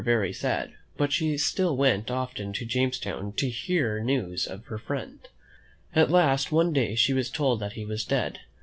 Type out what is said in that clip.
^is made her very sad, but she still went often to Jamestown to hear news of her friend. At last one day she was told that he was dead.